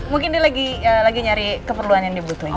mungkin dia lagi nyari keperluan yang dia butuhin